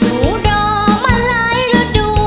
งูรอมาลายระดูก